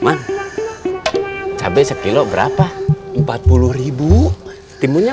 man cabai berapa